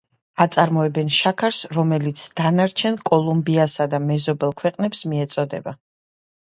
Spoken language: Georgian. აწარმოებენ შაქარს, რომელიც დანარჩენ კოლუმბიასა და მეზობელ ქვეყნებს მიეწოდება.